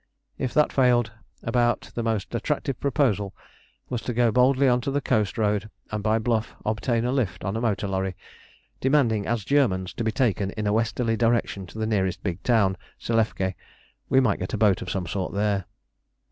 If that failed, about the most attractive proposal was to go boldly on to the coast road and by bluff obtain a lift on a motor lorry, demanding as Germans to be taken in a westerly direction to the nearest big town, Selefké: we might get a boat of some sort there.